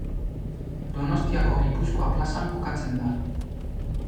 Donostiako Gipuzkoa plazan kokatzen da.